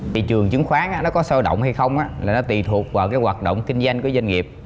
thị trường chứng khoán nó có sôi động hay không là nó tùy thuộc vào cái hoạt động kinh doanh của doanh nghiệp